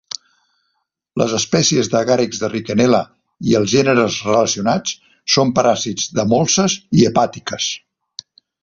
Les espècies d'agàrics de Rickenella i els gèneres relacionats són paràsits de molses i hepàtiques.